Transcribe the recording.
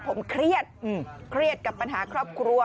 ผมเครียดเครียดกับปัญหาครอบครัว